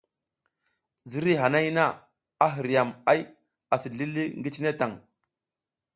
Ziriy hanay na, a hiriyam ay asi zlili ngi cine tan.